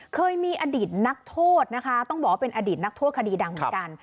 เคยมีอดีตนักโทษนะคะต้องบอกว่าเป็นอดีตนักโทษคดีดังเหมือนกัน